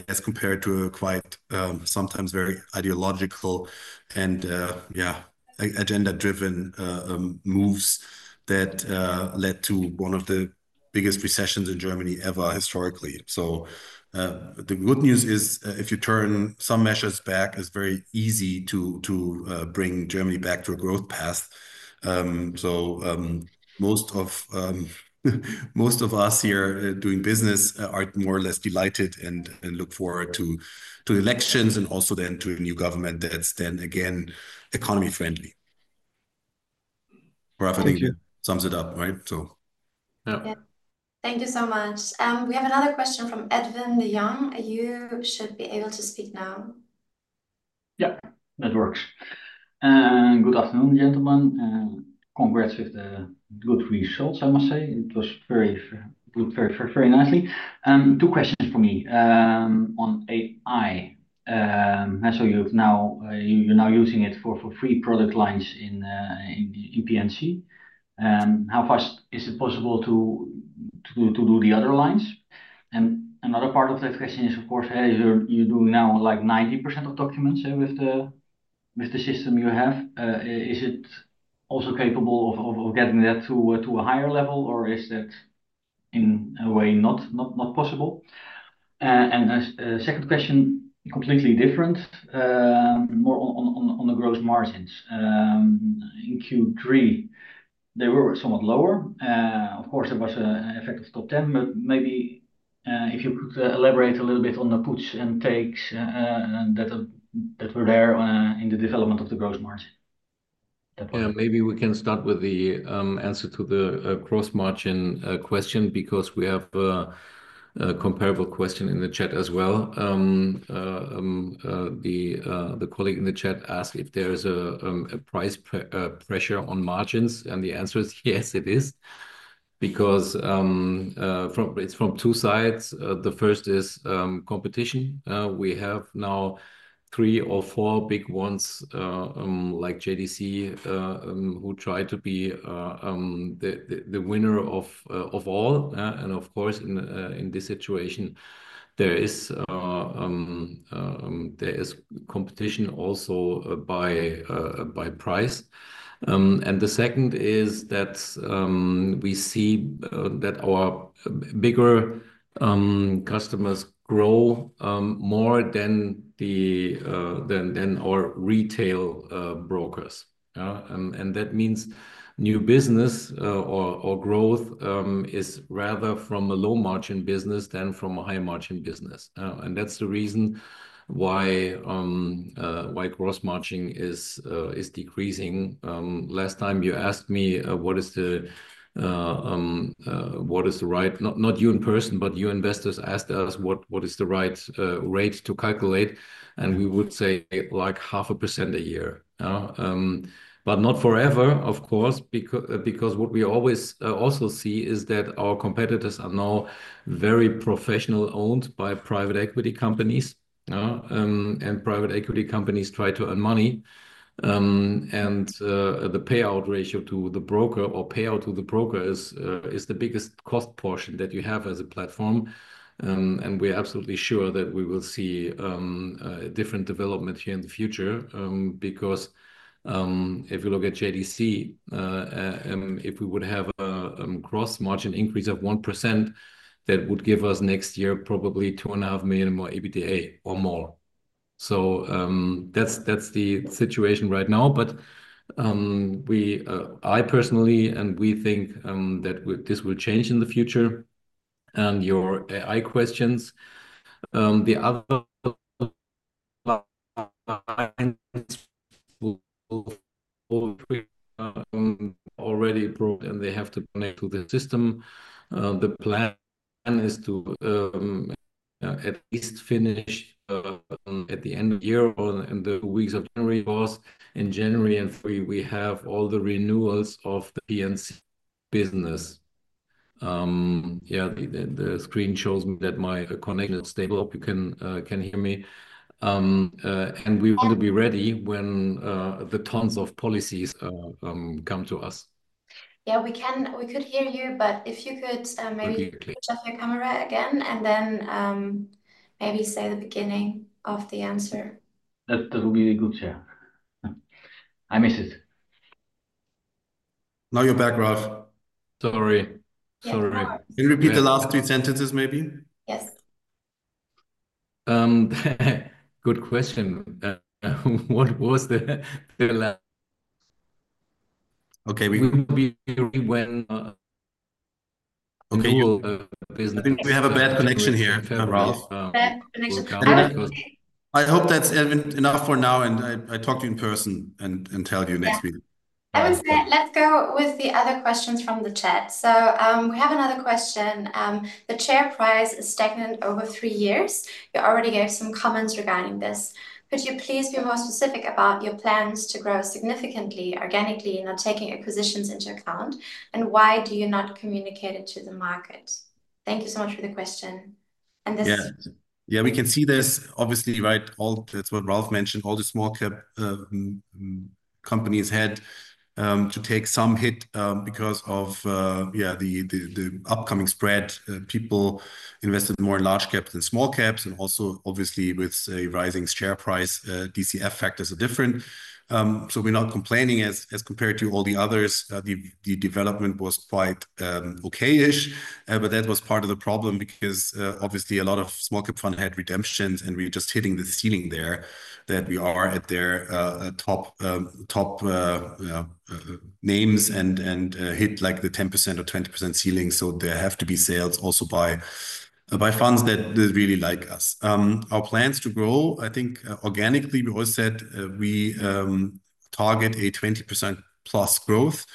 as compared to quite sometimes very ideological and, yeah, agenda-driven moves that led to one of the biggest recessions in Germany ever historically. So the good news is if you turn some measures back, it's very easy to bring Germany back to a growth path. So most of us here doing business are more or less delighted and look forward to elections and also then to a new government that's then again economy-friendly. Thank you. Sums it up, right? So. Yeah. Thank you so much. We have another question from Edwin de Jong. You should be able to speak now. Yeah, that works. Good afternoon, gentlemen. Congrats with the good results, I must say. It was very good, very nicely. Two questions for me on AI. So you're now using it for three product lines in P&C. How fast is it possible to do the other lines? And another part of that question is, of course, you're doing now like 90% of documents with the system you have. Is it also capable of getting that to a higher level or is that in a way not possible? Second question, completely different, more on the gross margins. In Q3, they were somewhat lower. Of course, there was an effect of Top Ten, but maybe if you could elaborate a little bit on the puts and takes that were there in the development of the gross margin. Yeah, maybe we can start with the answer to the gross margin question because we have a comparable question in the chat as well. The colleague in the chat asked if there is a price pressure on margins, and the answer is yes, it is, because it's from two sides. The first is competition. We have now three or four big ones like JDC who try to be the winner of all, and of course, in this situation, there is competition also by price, and the second is that we see that our bigger customers grow more than our retail brokers, and that means new business or growth is rather from a low-margin business than from a high-margin business, and that's the reason why gross margin is decreasing. Last time you asked me what is the right, not you in person, but you investors asked us what is the right rate to calculate, and we would say like 0.5% a year, but not forever, of course, because what we always also see is that our competitors are now very professional-owned by private equity companies, and private equity companies try to earn money, and the payout ratio to the broker or payout to the broker is the biggest cost portion that you have as a platform, and we are absolutely sure that we will see different development here in the future because if you look at JDC, if we would have a gross margin increase of 1%, that would give us next year probably 2.5 million more EBITDA or more. So that's the situation right now. But I personally, and we think that this will change in the future. And your AI questions, the other lines will already be brought in. They have to connect to the system. The plan is to at least finish at the end of the year or in the weeks of January. Was in January, and we have all the renewals of the P&C business. Yeah, the screen shows me that my connection is stable. You can hear me. And we want to be ready when the tons of policies come to us. Yeah, we could hear you, but if you could maybe switch off your camera again and then maybe say the beginning of the answer. That would be a good share. I miss it. Now your background. Sorry. Sorry. Can you repeat the last three sentences maybe? Yes. Good question. What was the last? Okay, we will be hearing when we have a bad connection here. Bad connection. I hope that's enough for now, and I talk to you in person and tell you next week. Let's go with the other questions from the chat. So we have another question. The share price is stagnant over three years. You already gave some comments regarding this. Could you please be more specific about your plans to grow significantly, organically, not taking acquisitions into account? And why do you not communicate it to the market? Thank you so much for the question. And this. Yeah, we can see this, obviously, right? That's what Ralph mentioned. All the small-cap companies had to take some hit because of, yeah, the upcoming spread. People invested more in large caps than small caps. And also, obviously, with a rising share price, DCF factors are different. We're not complaining as compared to all the others. The development was quite okay-ish, but that was part of the problem because, obviously, a lot of small-cap funds had redemptions, and we're just hitting the ceiling there that we are at their top names and hit like the 10% or 20% ceiling. There have to be sales also by funds that really like us. Our plans to grow, I think organically, we always said we target a 20% plus growth.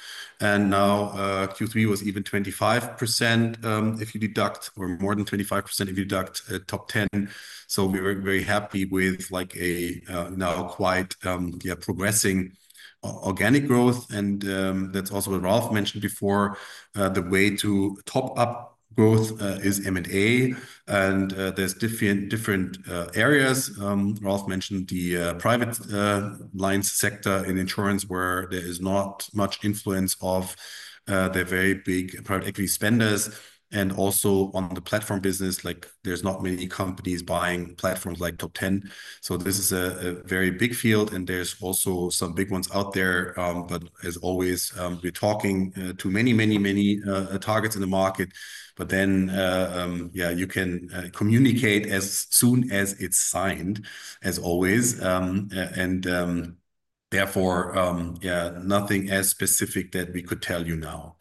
Now Q3 was even 25% if you deduct or more than 25% if you deduct top 10. We were very happy with now quite progressing organic growth. That's also what Ralph mentioned before. The way to top up growth is M&A. There's different areas. Ralph mentioned the private lines sector in insurance where there is not much influence of the very big private equity sponsors, and also on the platform business, there's not many companies buying platforms like top 10, so this is a very big field, and there's also some big ones out there, but as always, we're talking to many, many, many targets in the market, but then, yeah, you can communicate as soon as it's signed, as always, and therefore, yeah, nothing as specific that we could tell you now,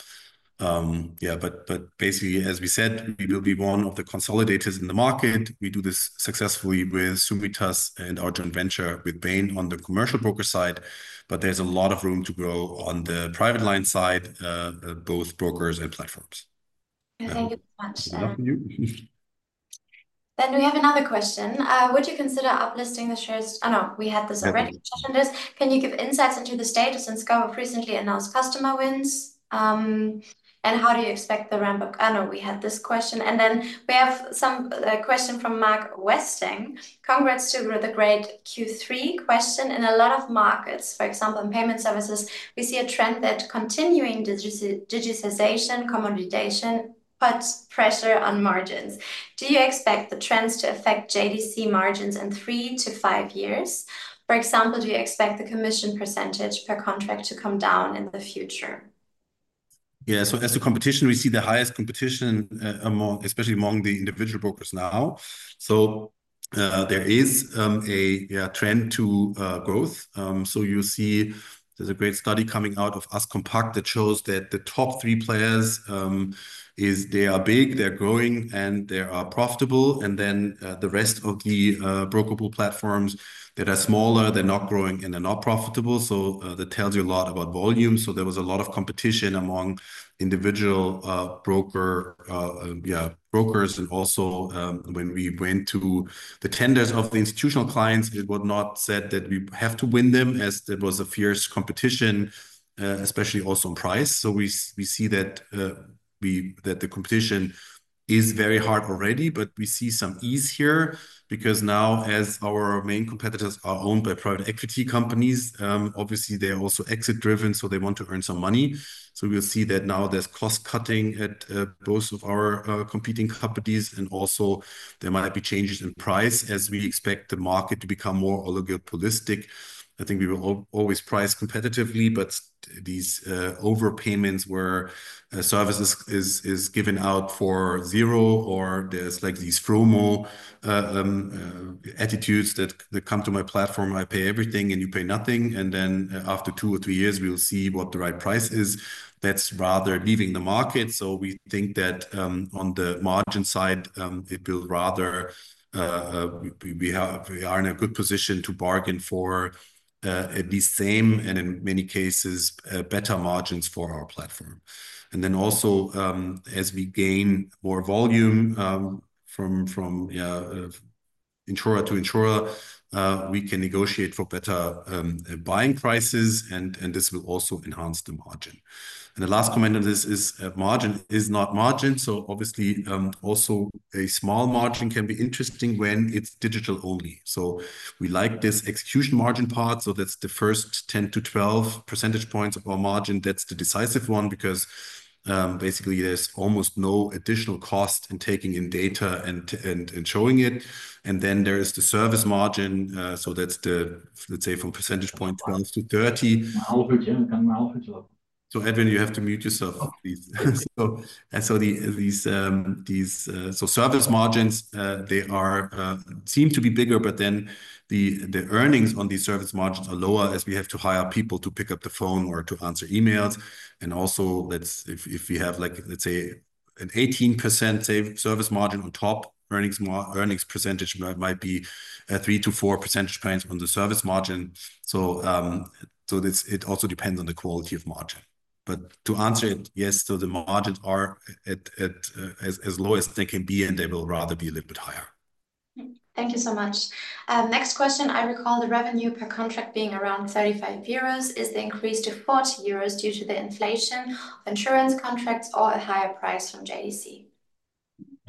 yeah, but basically, as we said, we will be one of the consolidators in the market. We do this successfully with Summitas and Argent Venture with Bain on the commercial broker side, but there's a lot of room to grow on the private line side, both brokers and platforms. Thank you so much. Then we have another question. Would you consider uplisting the shares? I know we had this already on the agendas. Can you give insights into the status and scope of recently announced customer wins? And how do you expect the ramp-up? I know we had this question. And then we have some question from Mark Westing. Congrats to the great Q3 question. In a lot of markets, for example, in payment services, we see a trend that continuing digitization, commoditization puts pressure on margins. Do you expect the trends to affect JDC margins in three to five years? For example, do you expect the commission percentage per contract to come down in the future? Yeah, so as to competition, we see the highest competition, especially among the individual brokers now. So there is a trend to growth. So you see there's a great study coming out of Ask Compact that shows that the top three players are big, they're growing, and they are profitable. And then the rest of the broker pool platforms that are smaller, they're not growing and they're not profitable. So that tells you a lot about volume. So there was a lot of competition among individual brokers and also when we went to the tenders of the institutional clients, it was not said that we have to win them as there was a fierce competition, especially also on price. So we see that the competition is very hard already, but we see some ease here because now as our main competitors are owned by private equity companies, obviously they are also exit-driven, so they want to earn some money. So, we'll see that now there's cost cutting at both of our competing companies and also there might be changes in price as we expect the market to become more oligopolistic. I think we will always price competitively, but these overpayments where services are given out for zero or there's like these FROMO attitudes that come to my platform, I pay everything and you pay nothing. And then after two or three years, we'll see what the right price is. That's rather leaving the market. So we think that on the margin side, it will rather we are in a good position to bargain for at least same and in many cases better margins for our platform. And then also as we gain more volume from insurer to insurer, we can negotiate for better buying prices and this will also enhance the margin. The last comment on this is margin is not margin. So obviously also a small margin can be interesting when it's digital only. We like this execution margin part. That's the first 10-12 percentage points of our margin. That's the decisive one because basically there's almost no additional cost in taking in data and showing it. Then there is the service margin. That's the, let's say from percentage point 12 to 30. Edvin, you have to mute yourself, please. These service margins, they seem to be bigger, but then the earnings on these service margins are lower as we have to hire people to pick up the phone or to answer emails. Also if we have like, let's say an 18% service margin on top, earnings percentage might be 3-4 percentage points on the service margin. It also depends on the quality of margin. But to answer it, yes, so the margins are as low as they can be and they will rather be a little bit higher. Thank you so much. Next question. I recall the revenue per contract being around 35 euros. Is the increase to 40 euros due to the inflation of insurance contracts or a higher price from JDC?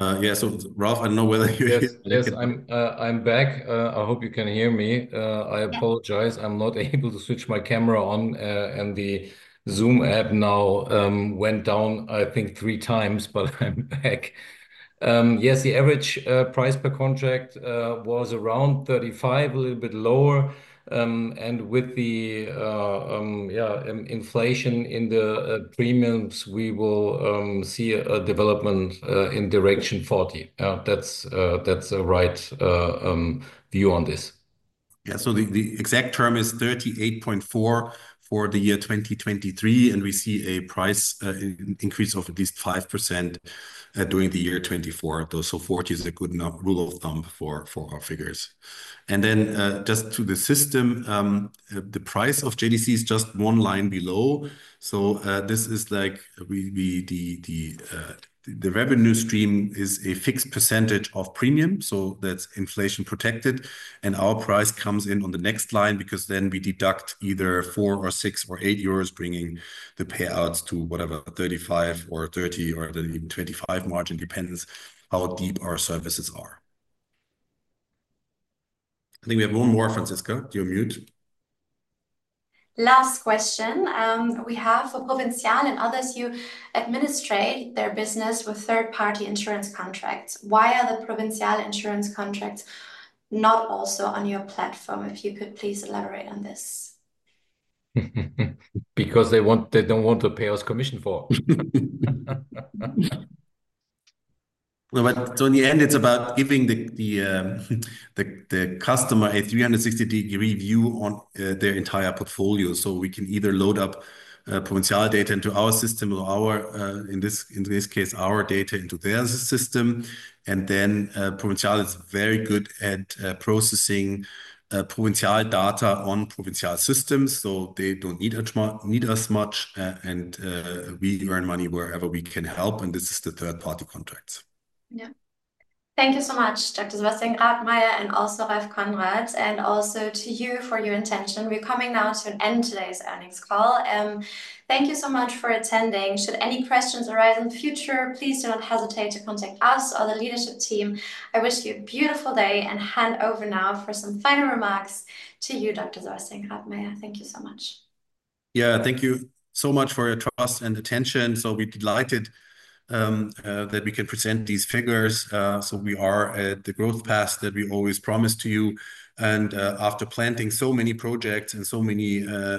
Yeah, so Ralph, I don't know whether you hear me. Yes, I'm back. I hope you can hear me. I apologize. I'm not able to switch my camera on and the Zoom app now went down, I think, three times, but I'm back. Yes, the average price per contract was around 35, a little bit lower. And with the, yeah, inflation in the premiums, we will see a development in direction 40. That's a right view on this. Yeah, so the exact term is 38.4 for the year 2023, and we see a price increase of at least 5% during the year 2024. So 40 is a good rule of thumb for our figures. And then just to the system, the price of JDC is just one line below. So this is like the revenue stream is a fixed percentage of premium. So that's inflation protected. And our price comes in on the next line because then we deduct either four or six or eight euros bringing the payouts to whatever, 35 or 30 or even 25 margin dependence, how deep our services are. I think we have one more, Franziska, you're mute. Last question. We have for Provinzial and others, you administrate their business with third-party insurance contracts. Why are the Provinzial insurance contracts not also on your platform? If you could please elaborate on this. Because they don't want to pay us commission for. So in the end, it's about giving the customer a 360-degree view on their entire portfolio. So we can either load up Provinzial data into our system or, in this case, our data into their system. And then Provinzial is very good at processing Provinzial data on Provinzial systems. So they don't need us much, and we earn money wherever we can help. And this is the third-party contracts. Yeah. Thank you so much, Dr. Sebastian Grabmaier and also Ralph Konrad. And also to you for your attention. We're coming now to an end of today's earnings call. Thank you so much for attending. Should any questions arise in the future, please do not hesitate to contact us or the leadership team. I wish you a beautiful day and hand over now for some final remarks to you, Dr. Sebastian Grabmaier. Thank you so much. Yeah, thank you so much for your trust and attention. So we're delighted that we can present these figures. So we are at the growth path that we always promised to you. And after planting so many projects and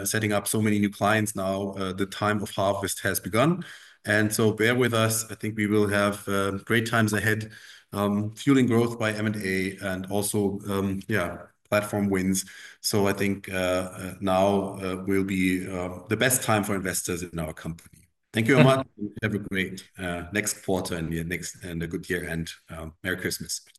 setting up so many new clients now, the time of harvest has begun. And so bear with us. I think we will have great times ahead, fueling growth by M&A and also, yeah, platform wins. So I think now will be the best time for investors in our company. Thank you very much. Have a great next quarter and a good year end. Merry Christmas. Bye.